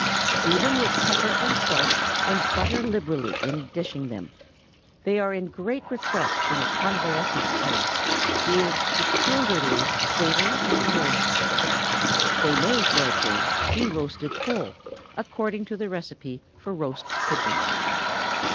Season with pepper and salt, and butter liberally in dishing them. They are in great request in a convalescent's room, being peculiarly savory and nourishing. They may, for a change, be roasted whole, according to the receipt for roast pigeons.